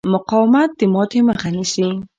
مقاومت د ماتې مخه نیسي.